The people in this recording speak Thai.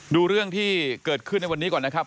ดูเรื่องที่เกิดขึ้นในวันนี้ก่อนนะครับ